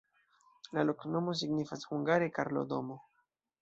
La loknomo signifas hungare: Karlo-domo.